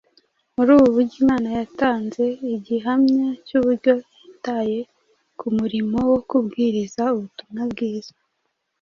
Muri ubu buryo Imana yatanze igihamya cy’uburyo yitaye ku murimo wo kubwiriza ubutumwa bwiza